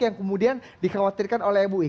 yang kemudian dikhawatirkan oleh mui